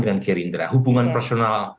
dengan gerindra hubungan personal